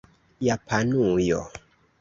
Japanujo